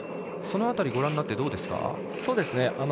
その辺りご覧になってどうですか？